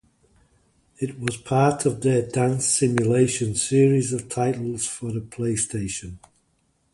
It was part of their "Dance Simulation" series of titles for the PlayStation.